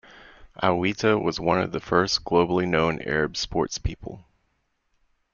Aouita was one of the first globally known Arab sportspeople.